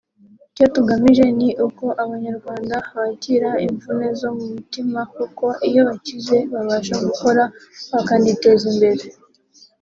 Icyo tugamije ni uko abanyarwanda bakira imvune zo mu mutima kuko iyo bakize babasha gukora bakaniteza imbere